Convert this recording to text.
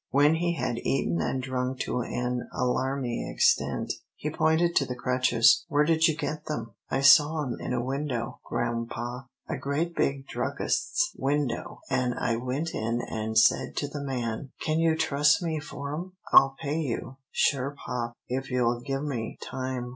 When he had eaten and drunk to an alarming extent, he pointed to the crutches. "Where did you get them?" "I saw 'em in a window, grampa, a great big druggist's window, an' I went in an' said to the man, 'Can you trust me for 'em? I'll pay you, sure pop, if you'll gimme time.